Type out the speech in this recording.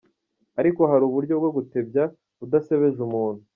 Ariko hari uburyo bwo gutebya udasebeje umuntu.